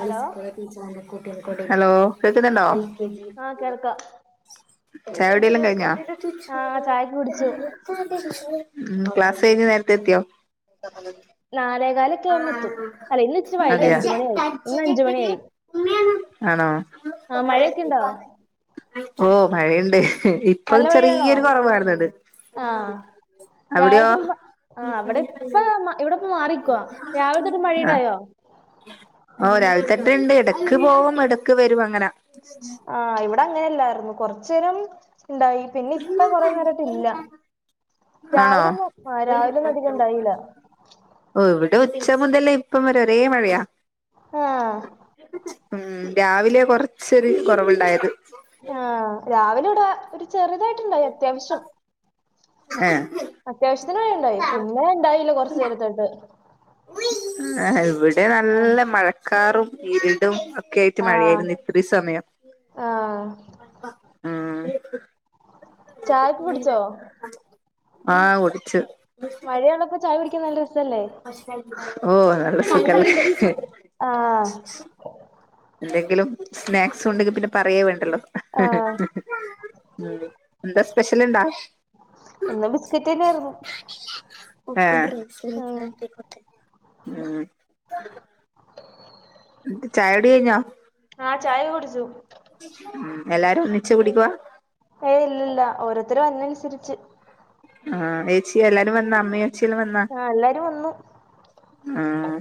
Hello hello കേക്കുന്നുണ്ടോ ആഹ് കേൾക്കാം ചായ കുടില്ലാം കഴിഞ്ഞാ ആ ചായയൊക്കെ കുടിച്ചു ഉം ക്ലാസ് കയിഞ്ഞ് നേരത്തെ എത്തിയോ നാലേകാല് ത്തും അല്ലെങ്കി ഇച്ചിരി വൈകി അതെയോ അഞ്ച് മണിയാവും ഇന്ന് അഞ്ച് മണിയായി ആണോ ആഹ് മഴയൊക്കെ ഇണ്ടോ? ഓ മഴേണ്ട് ഇപ്പൊ നല്ല മഴയാണോ ചെറിയൊരു കുറവ് കാണുന്നുണ്ട് ആ രാവിലെ അവിടെയോ ഇവിടെപ്പ മാറിക്കോ രാവിലത്തെ തൊട്ട് ആ മഴയിണ്ടായോ ഓ രാവിലെതൊട്ട്ണ്ട് ഇടക്ക് പോവും ഇടക്ക് വരും അങ്ങനെ ആഹ് ഇവിടെ അങ്ങനെല്ലായിരുന്നു കൊറച്ച നേരം ഇണ്ടായി പിന്നെ ഇപ്പ കൊറെ നേരായിട്ടില്ല ആണോ രാവിലെന്നും രാവിലെന്നും അധികം ഇണ്ടായില്ല ഉം ഇവിടെ ഉച്ച മുതല് ഇപ്പം വരെ ഒരേ മഴയാ ആഹ് ഉം രാവിലെ കൊറച്ചൊരു കൊറവ്ണ്ടായത് ആഹ് രാവിലെ ഇവിടെ ചെറുതായിട്ടുണ്ടായിനി അത്യാവശ്യം ഏഹ് അത്യാവശ്യത്തിന് ഇണ്ടായി പിന്നെ ഇണ്ടായില്ല കൊറച്ചരത്തെക്ക് ഏഹ് ഇവിടെ ആ നല്ല മഴക്കാറും ഇരിടും ഒക്കെ ആയിട്ട് ആഹ് മഴയായി നിക്കാ ഒരി സമയം ആഹ് ഉം ചായൊക്കെ കുടിച്ചോ ആഹ് കുടിച്ച് മഴയുള്ളപ്പോ ചായ കുടിക്കാൻ നല്ല രസല്ലേ? ഓ നല്ല സുഖല്ലേ? ആഹ് എന്തെങ്കിലും സ്നാക്സ് ഉണ്ടെങ്കില് പിന്നെ പറയേ വേണ്ടല്ലോ ആഹ് ഉം എന്താ സ്പെഷ്യല് ഇണ്ടാ? ഇന്ന് ബിസ്ക്കറ്റ് തന്നെയായിരുന്നു ഏഹ് ഉം ഉം ചായടി കഴിഞ്ഞോ? ആഹ ചായക്കെ കുടിച്ചു ഉം എല്ലാരും ഒന്നിച്ചു കുടിക്കുവാ? ഏയ് ഇല്ല ഓരോത്തരും വര്നനുസരിച്ച് ആഹ് ഏച്ചീം എല്ലാരും വന്നാ അമ്മേം അച്ചേം എല്ലാം വന്നാ ആഹ് എല്ലാരും വന്നു ആഹ്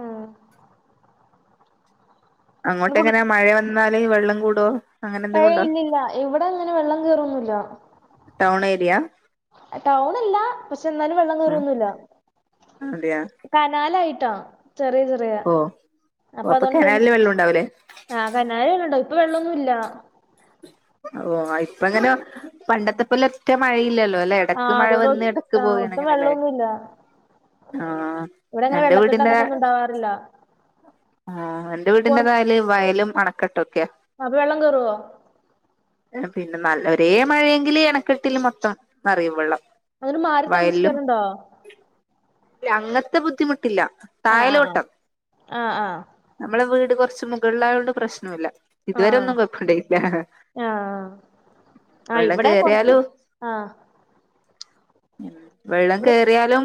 ഉം ഇന്ന് ഫുൾ അങ്ങോട്ടെങ്ങനാ മഴ വന്നാല് വെള്ളം കൂടോ? അങ്ങനെ എന്തെങ്കിലും ഏയ് ഉണ്ടോ ഇല്ലില്ല ഇവടെ അങ്ങനെ വെള്ളം കേറൊന്നൂല്ല ടൗണ് ഏരിയാ? ടൗണ് അല്ല പക്ഷെ എന്നാലും വെള്ളം ഉം കേറൊന്നൂല്ല അതെയാ കനാലായിട്ടാ ചെറിയ ചെറിയ ഓ ഓ അപ്പൊ അതോണ്ട് വെല്ല്യ കെനാലില് വെള്ളം ഉണ്ടാവൂലേ ആഹ് കനായ ഉ ള്ളു ട്ടൊ ഇപ്പ വെള്ളൊന്നൂല്ല ഓ ഇപ്പിങ്ങനെ പണ്ടത്തെ പോലെ ഒറ്റ മഴയില്ലല്ലോലേ എടക്ക് ആഹ് മഴ അതുകൊണ്ട് ഒ വന്ന് എടക്ക് ആഹ് പോവാണ് ഒട്ടും അങ്ങനെ അല്ലേ? വെള്ളൊന്നുല്ല ആഹ് ഇവിടെ അങ്ങനെ എൻ്റെ വെള്ളക്കെട്ട് വീടിന്റെ അങ്ങനൊന്നും ഉണ്ടാവാറില്ല ആഹ് എന്റെ കൊറ വീടിന്റെ താഴെല് വയലും അണക്കെട്ടും ഒക്കെ അപ്പൊ വെള്ളം കേറോ? പിന്നെ നല്ല ഒരേ മഴയെങ്കില് അണക്കെട്ടില് മൊത്തം നെറയും വെള്ളം അതിന് മാറി താമസിക്കാനുണ്ടോ? ഏയ് അങ്ങത്തെ ബുദ്ധിമുട്ടില്ല ആഹ് ആഹ് തായലോട്ടം ആഹ് ആഹ് നമ്മടെ വീട് കൊറച്ച് മുകളിലായോണ്ട് പ്രശ്നൂല ഇതുവരെ ആഹ് ഒന്നും കൊയപ്പുണ്ടായിട്ടില്ല ആഹ് ആഹ് ഇവടെ കൊറച്ച് ആഹ് ഉം വെള്ളം ഇവിടെ കേറ്യാലും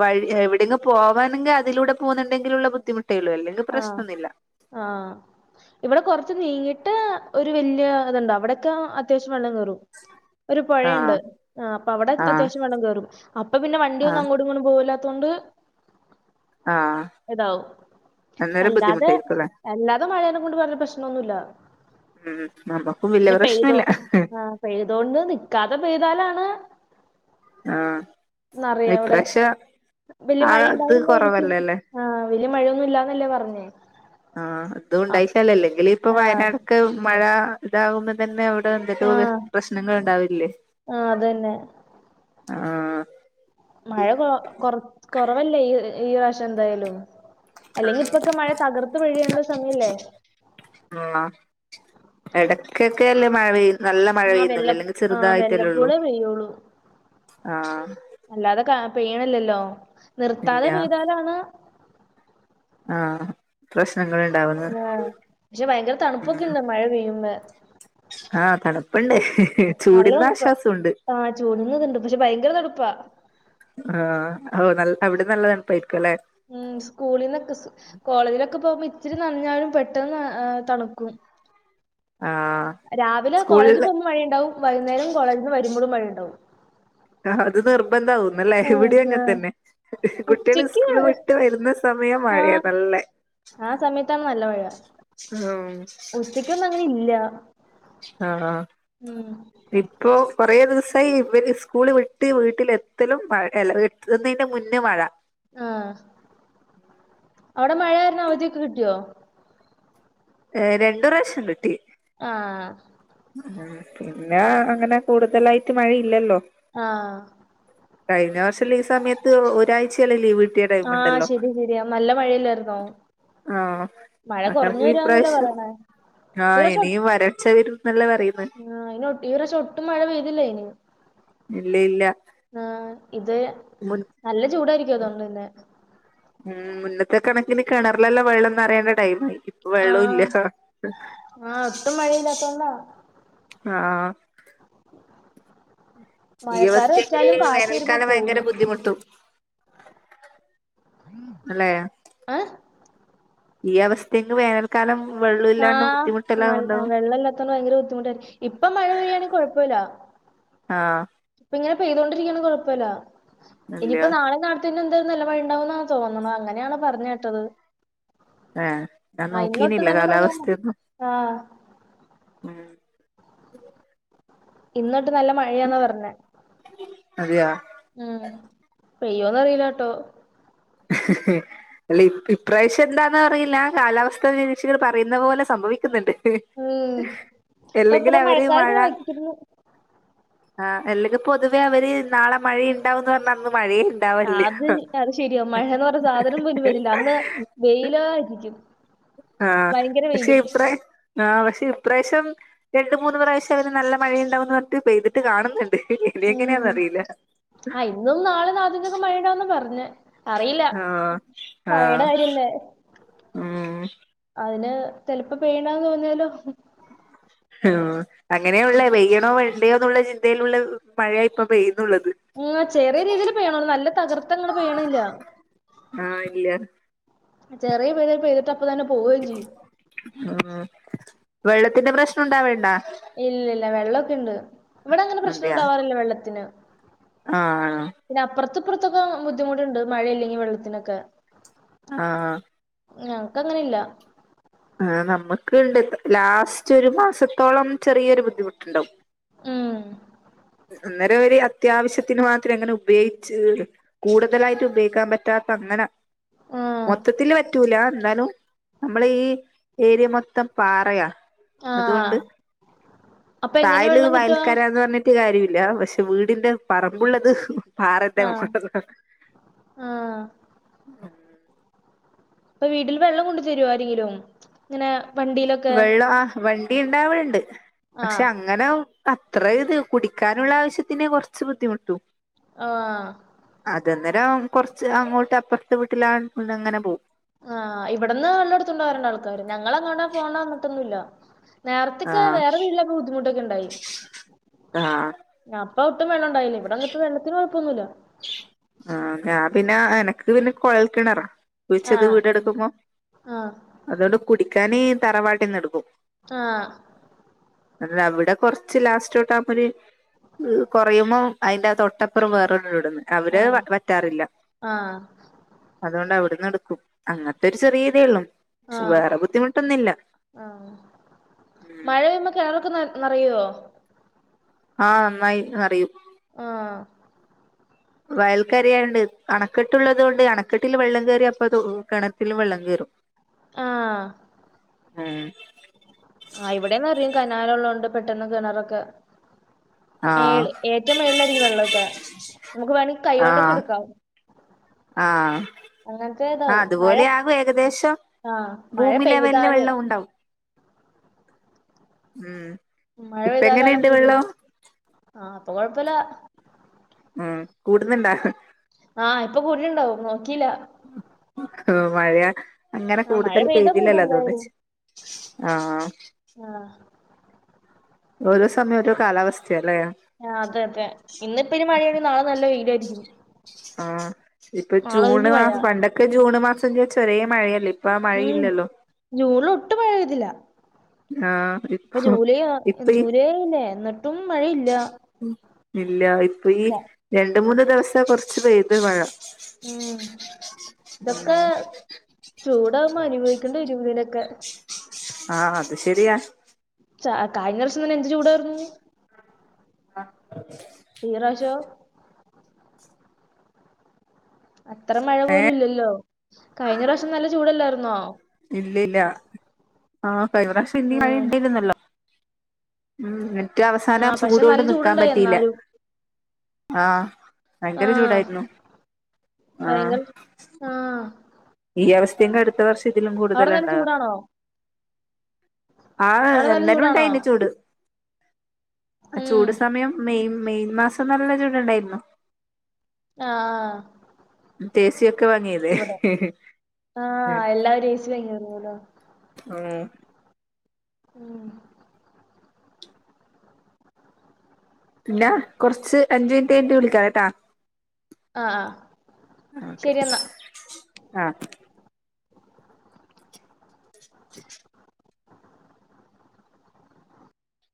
വഴി എവിടെങ്ങ് പോവാണെങ്കില് അതിലൂടെ പോകുന്നുണ്ടെങ്കിലുള്ള ബുദ്ധിമുട്ടേ ഉള്ളൂ അല്ലേ ആഹ് ആഹ് ഇവിടെ കൊറച്ച് നീങ്ങീട്ട് ഒരു വല്യ ഇതുണ്ട് അവിടെയൊക്കെ അത്യാവശ്യം വെള്ളം കേറും ഒരു ആഹ് പൊഴയുണ്ട് ആഹ് അപ്പൊ അവിടെ ആഹ് അത്യാവശ്യം വെള്ളം കേറും അപ്പൊ പിന്നെ വണ്ടി ഒന്നും ആഹ് അങ്ങോടും ഇങ്ങോടും പോവില്ല തൊണ്ട് ആഹ് താവും അന്നേരം അല്ലാതെ ബുദ്ധിമുട്ടായിരിക്കുംല്ലേ അല്ലാതെ മഴേനെ കൊണ്ട് പറഞ്ഞ പ്രശ്നൊന്നൂല ഉം നമ്മക്കും വല്യേ പ്രശ്നൂല ആഹ് പെയ്തോണ്ട് നിക്കാതെ പെയ്താലാണ് ആഹ് നെറയോ അവിടെ ഇപ്രാവശ്യം വല്യേ ആ മഴ ഇത് ഇണ്ടാവില്ലായിരിക്കും കൊറവല്ലല്ലേ ആഹ് വല്യേ മഴയൊന്നും ഇല്ലാന്നല്ലേ പറഞ്ഞേ ആഹ് അതും അപ് ഉണ്ടായിട്ടല്ലേ അല്ലെങ്കി ഇപ്പൊ ആഹ് വയനാടൊക്കെ മഴ ഇതാകുമ്പോ തന്നെ അവ്ടെ എന്തെല്ലു ആഹ് പ്രശ്നങ്ങൾണ്ടാവില്ലേ ആഹ് അതന്നെ ആഹ് മഴ കൊ കൊർ കൊറവല്ലേ ഈ ഈ പ്രാവശ്യംന്തായാലും അല്ലെങ്കിപ്പൊക്കെ മഴ തകർത്ത് പെയ്യേണ്ട സമയല്ലേ ആഹ് ഇടക്കൊക്കെല്ലേ മഴ പെയ്യ് നല്ല മഴ ആഹ് വെല്ല പെയ്യുന്നല്ലോ ല്ലെങ്കി ആഹ് ചെറുതായിട്ടല്ലേള്ളു വെല്ലപ്പോളേ പെയ്യുള്ളൂ ആഹ് അല്ലാതെ ക പെയ്യ്ണില്ലല്ലോ ഇല്ല നിർത്താതെ പെയ്താലാണ് ആഹ് പ്രശ്നള്ണ്ടാവ്ന്നെ പക്ഷെ ഭയങ്കര തണുപ്പെക്കെണ്ട് മഴ പെയ്യുമ്പേ ആഹ് തണുപ്പ്ണ്ട് നല്ല തണുപ്പാ ആഹ് ചൂട്ന്റത്ണ്ട് പക്ഷെ ഭയങ്കര തണുപ്പാ ആഹ് ഓ അവിടെ നല്ല തണുപ്പായിരിക്കുല്ലെ ഉം സ്കൂളിന്നൊക്കെ സ് കോളേജിലൊക്കെ പോകുമ്പോ ഇച്ചിരി നഞ്ഞാലും പെട്ടെന്ന് തണുക്കും ആഹ് രാവിലെ കോളേജ് സ്കൂളില് പോകുമ്പോ മഴിണ്ടാവും വൈകുന്നേരം കോളേജിന്ന് വരുമ്പഴും മഴണ്ടാവും ആഹ് അത് നിർബന്ധവുന്നല്ലേ ഇവിടീം അങ്ങൻതന്നെ കുട്ട്യാള് ഉച്ചക്ക് സ്കൂള് വിട്ട് വര്ന്ന സമയം ആ മഴയാ നല്ലെ ആ സമയത്താണ് നല്ല മഴ ആഹ് ഉച്ചക്കൊന്നും അങ്ങനെ ഇല്ല ആഹ് ഹ ഉം പി ഇപ്പൊ കൊറേ ദിവസായി ഇവര് സ്കൂള് വിട്ട് വീട്ടിലെത്തലും മഴ അല്ല വീട്ട് എത്ത്ന്നേന്റെ മുന്നേ മഴ ആഹ് അവടെ മഴാ കാരണം അവധിയൊക്കെ കിട്ടിയോ? ഏഹ് രണ്ടു പ്രാശ്യം കിട്ടി ആഹ് പിന്നെ അങ്ങനെ കൂടുതലായിട്ട് മഴയില്ലല്ലോ ആഹ് കഴിഞ്ഞ വർഷം ലീ സമയത്ത് ഒരാഴ്ചയല്ലെ ലീവ് ടൈം ആഹ് ഉണ്ടല്ലോ ശെരി ശരിയാ നല്ല മഴല്ലാര്ന്നോ ആഹ് മക്കൾക്ക് വരാന്നല്ലേ ഇപ്രാവശ്യം പറയുന്നെ ഈ ആഹ് ഇനിയും വരൾച്ച വെരും ന്നല്ലെ പറയ്ന്ന് ആഹ് അയ്നീ ഈ പ്രശം ഒട്ടും മഴ പെയ്തില്ലേനി ഇല്ലേല്ല ആഹ് ഇത് മുൻ നല്ല ചൂടായിരിക്കും അതൊണ്ട് പിന്നെ ഉം മുന്നത്തെ കണക്കിന് കെണർലെല്ല വെള്ളംന്നെറയേണ്ട ടൈം ആ വെള്ളുല്ല ല്ലാത്തോന്ന അ ആഹ് ഈ മഴക്കാറ് അവസ്ഥെങ്കില് വെച്ചാലും കാറ്റ് വരുമ്പോ വേനൽക്കാലം പോകും ഭയങ്കര ബുദ്ധിമുട്ടും ഉം അല്ലേ ങ് ഈ അവസ്ഥെക്ക് വേനൽക്കാലം വെള്ളുല്ലാണ്ട് ആഹ് നൽ ബുദ്ധിമുട്ട്ല്ലാണ്ടാവെടൊ വെള്ളം ഇല്ലാത്തോണ്ട് ഭയങ്കര ബുദ്ധിമുട്ടായിരിക്ക ഇപ്പ മഴ പെയ്യാണങ്കി കൊഴപ്പല്ല ആഹ് ഇപ്പിങ്ങനെ പെയ്തൊണ്ടിരിക്കണെ കൊഴപ്പല്ല ഇല്ല ഇനിയിപ്പ നാളെ നാ ഇന്ന് എന്താ നല്ലമഴണ്ടാവുംന്നണ് തോന്നണ അങ്ങനെയാണ് പറഞ്ഞെട്ടത് എ ഞാൻ നോക്കീനില്ല നല്ല മഴയാ കാലാവസ്ഥയൊന്നും. ആഹ് ഉം ഇന്നൊട്ട് നല്ല മഴയാന്ന പറഞ്ഞത്. അതയോ ഉം, പെയ്യോന്ന് അറീലട്ടോ. ഇഹ് ഇഹ് അല്ലേ ഇ ഇപ്രാവശ്യം എന്താന്നറിയില്ല കാലാവസ്ഥാ നിരീക്ഷികർ പറയുന്ന പോലെ സംഭവിക്ക്ന്ന്ണ്ട്. ഇഹ്, ഉം ഇപ്പൊ ഇപ്പടെ എല്ലെങ്കിലവര് മഴക്കാറ് മഴ ഇങ്ങനെ വയ്ക്കുന്നു ആഹ്, അല്ലെങ്കിൽ പൊതുവേ അവര് നാളെ മഴയ ഇണ്ടാവന്ന് പറഞ്ഞ അന്ന് മഴയെ ഇണ്ടാവല്ല. അത് അത് ശെരിയാ മഴാന്ന് പറഞ്ഞ സാധനം പോലും വരില്ല അന്ന് വെയിലായിരിക്കും. ആ ഭയങ്കര പക്ഷെ വെയിലും ഇപ്രാ ആ പക്ഷെ ഇപ്രാശ്യം രണ്ട് മൂന്ന് പ്രാവശ്യം അവര് നല്ല മഴയുണ്ടാവന്ന് പറഞ്ഞ് പെയ്തിട്ട് കാണുന്നുണ്ട് ഇനി എങ്ങനെയെന്ന് ഉം അറിയില്ല. ആഹ് ഇന്നും നാളെ [unintelligible] മഴ ഇണ്ടാവുന്ന പർഞ്ഞെ. അറിയില്ല, ആഹ് മഴയുടെ കാര്യല്ലേ. മ് അതിന് ചെലപ്പ പെയ്യണ്ടാന്ന് പർഞ്ഞാലും ഇഹ് ആഹ്, ഉം അങ്ങനെയുള്ളെ പെയ്യും. ണോ വെണ്ടയോന്നുള്ള ചിന്തയിലുള്ള മഴയ ഇപ്പൊ പെയ്യുന്നുള്ളത്. ഓഹ്, ചെറിയ രീതിയിൽ പെയ്യനൊള്ളു നല്ല തകർത്തങ്ങ്ട് പെയ്യ്ണ്ല്ല. ആഹ്, ഇല്ല. ചെറിയ പേരിൽ പെയ്തിട്ട് അപ്പ തന്നെ പോവും ചെയ്യും. ആഹ്, വെള്ളത്തിന്റെ പ്രശ്നം ഉണ്ടാവണ്ടോ? ഇല്ല, ഇല്ല വെള്ളൊക്കെ ഇണ്ട്. ഇവിടെ അങ്ങനെ അതെയാ പ്രശ്നൊണ്ടാവാറില്ല വെള്ളത്തിന്. ആഹ് പിന്നെ, അപ്പൊർത്തു ഇപ്പൊർത്തുക്കെ ബുദ്ധിമുട്ടുണ്ട് മഴയില്ലെങ്കി വെള്ളത്തിനൊക്കെ. ആഹ് ഞങ്ങ്ക്ക് അങ്ങനെ ഇല്ല. ആഹ് നമ്മക്ക് പിന്നെ ലാസ്റ്റ് ഒരു മാസത്തോളം ചെറിയൊരു ബുദ്ധിമുട്ടുണ്ടാവും. ഉം അന്നേരം ഒരു അത്യാവശ്യത്തിന് മാത്രം എങ്ങനെ ഉപയോഗിച്ചീന്ന് കൂടുതലായിട്ട് ഉപയോഗിക്കാൻ പറ്റാത്ത അങ്ങനെ, ആഹ് മൊത്തത്തില് പറ്റൂല ഇന്നാലും നമ്മളെ ഈ ഏരിയ മൊത്തം പാറയാ ആഹ് അതുകൊണ്ട്, അപ്പൊ എങ്ങനെ തായല് വെള്ളം കിട്ടുക വയൽക്കാരന്ന് പറഞ്ഞി ട്ട്കാര്യമില്ല. പക്ഷെ, വീടിന്റെ പറമ്പുള്ളത് ഇഹ് പാറന്റെ ആഹ് ആഹ് [unintelligible] ഇപ്പൊ വീട്ടിൽ വെള്ളം കൊണ്ട് തരുവോ ആരെങ്കിലും? ഇങ്ങനെ വണ്ടി വെള്ളം ആ വണ്ടി ഇണ്ടാവൽണ്ട് പക്ഷെ, ആഹ് അങ്ങനെ ഒ അത്ര ഇത് കുടിക്കാനുള്ള ആവശ്യത്തിന് കൊർച്ച് ബുദ്ധിമുട്ടു. ആഹ് അത്ങ്ങനം കൊർച്ച് അങ്ങോട്ട് അപ്പൊർത്തെ വീട്ടിലാണ് കൊണ്ട് അങ്ങനെ പോവും. ആഹ്, ഇബടന്ന് വെള്ളം എടുത്തുണ്ട വരണ ആൾക്കാര് ഞങ്ങള് എങ്ങോട്ടാ പോണ വന്നിട്ടൊന്നുല്ല. നേരത്തക്കെ ആഹ് വേറെ വീട്ടിലൊക്ക ബുദ്ധിമുട്ടൊക്കെ ഉണ്ടായി. ആഹ് അപ്പൊ ഒട്ടും വെള്ളണ്ടായില്ല, ഇവിടെ വന്നപ്പോ വെള്ളത്തിന് കൊഴപ്പൊന്നുല്ല. ആഹ്, ഞാ പിന്നെ എനക്ക് പിന്നെ കൊഴൽക്കിണറാ. കുഴിച്ചത് ആഹ് വീടെടുക്കുമ്പോ, ആഹ് അതുകൊണ്ട് കുടിക്കാന് തറവാട്ടിന്ന് എടുക്കും. ആഹ് അല്ല, അവിടെ കൊർച്ച് ലാസ്റ്റ്ട്ട് [unintelligible] ആഹ്, കൊറയുമ്പം അയിന്റെ തൊട്ടപ്പുറം വേറൊരു വീടെന്ന് അ വ്ടെ ആഹ് വറ്റാറില്ല. ആഹ് അതുകൊണ്ട് അവിട്ന്ന് എടുക്കും. അങ്ങത്തെ ഒരു ചെറിയതെ ഒള്ളും. പക്ഷെ, ആഹ് വേറെ ബുദ്ധിമുട്ടൊന്നില്ല. ആഹ് ഉം മഴ പെയ്യുമ്പോ കിണറൊക്കെ ന നറയോ ആഹ് നന്നായി അറിയും. ആഹ് വയൽക്കരയായോണ്ട് അണക്കെട്ടുള്ളതോണ്ട് അണക്കെട്ടിൽ വെള്ളം കേറി അപ്പതോ കെണറ്റിലും വെള്ളം കേറും. ആഹ് ആഹ് ആ ഇവടേം നെറയും കനാലോള്ളോണ്ട് പെട്ടെന്ന് കിണറൊക്കെ. ആഹ് മേലെ ഏറ്റവും മേളിലായിരിക്കും വെള്ളോക്കെ നമുക്ക് വേണങ്കി കൈകോണ്ടൊക്കെ ആഹ് എടുക്കാം. ആഹ് അങ്ങനത്തെ ആ ഇതാവും മഴ അത്പോലെ ആകും ഏകദേശം ആഹ് മഴ ഭൂമി ലെവലില് പെയ്താല് വെള്ളം ഉണ്ടാവും. [inaudible] എഹ് ഇപ്പ എങ്ങനെണ്ട് വെള്ളം? ആ ഇപ്പ കൊഴപ്പെല്ല. മ് കൂടുന്ന്ണ്ട? ആഹ് ഇപ്പ കൂടിട്ട്ണ്ടാവും നോക്കില്ല. [unintelligible] മഴ അങ്ങനെ ആ മഴ കൂടുതൽ പെയ്താ കൂടും പെയ്തില്ലല്ലോ എന്തായാലും അതോണ്ട് ച്ച ആഹ് ആഹ് ഓരോ സമയം ഓരോ കാലാവസ്ഥയാല്ലേ. ആഹ് അതെ അതെ ഇന്നിപ്പ ഇനി മഴയാണെ നാളെ നല്ല വെയിലായിര്ക്കും. ആഹ് ഇപ്പ ജൂണ് കഴിഞ്ഞ് മഴ മാസം പണ്ടെക്കെ ജൂണ് മാസം ചോയിച്ചാൽ ഒരേ മഴയല്ലേ ഇപ് മ് ജൂണിൽ ഒട്ടും മഴ പെഴ്തില്ല. ആഹ് ഇപ്പ ഇപ്പൊ ജൂലൈ ആ ഇപ്പ ഈ ജൂലൈല്ലേ എന്നിട്ടും മഴയില്ല. മ് ഇല്ല ഇപ്പ ഈ ഇല്ല. രണ്ട് മൂന്ന് ദിവസം കൊറച്ച് പെയ്ത് മഴ. മ് ഇതൊക്കെ ചൂടാവുമ്പോ അനുഭവിക്കേണ്ടി വരും ഇതിനൊക്കെ. ആഹ് അത് ശെരിയാ. ച കഴിഞ്ഞ പ്രാവശ്യം തന്നെ എന്ത് ചൂടായിരുന്നു. ആഹ് ഈ പ്രാവിശ്യോ? അത്ര മഴ പോലും ഏഹ് ഇല്ലല്ലോ, കഴിഞ്ഞ പ്രാവ്ശ്യം നല്ല ചൂടല്ലായിരുന്നോ. ഇല്ലില്ല ആഹ് കയിഞ്ഞ പ്രാവശ്യം ഇന്നി ഉം മഴണ്ടെര്ന്നല്ലോ. ഉം ന്ന്ട്ട് ആ അവസാനം പക്ഷെ ചൂടോണ്ട് നല്ല നിക്കാൻ ചൂടുണ്ടായി പറ്റിയില്ല, എന്നാലും ആഹ് ഭയങ്കര ആഹ് ചൂടായിരുന്നു ആഹ് ഭയങ്കര ആഹ് ഈ അവസ്ഥ തന്നെ അടുത്ത വർഷം അവിടെ നല്ല കൂടുതലുണ്ടാവാ. ചൂടാണോ ആഹ് അവിടെ നല്ല എല്ലാരും ചൂടാണോ ഇണ്ടായിന് ചൂട്, ആ ഉം ചൂട് സമയം മെയ് മാ മെയ് മാസം നല്ല ചൂട് ഇണ്ടായിരുന്നു. ആഹ് ടേസിയൊക്കെ വാങ്ങിയത്. ഇവിടെ ആഹ് എല്ലാരും [unintelligible] ആഹ് മ് പിന്നെ കൊർച്ച് അഞ്ച് മിനിറ്റ് കയിഞ്ഞിട്ട് വിളിക്കാം കേട്ടാ. ആഹ് ആഹ് ആഹ് ഓക്കെ ശരി എന്നാ ആഹ് [inaudible]